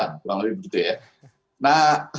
kurang lebih begitu ya